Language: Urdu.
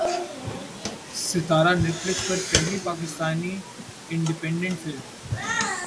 ستارہ نیٹ فلیکس پر پہلی پاکستانی اینیمیٹڈ فلم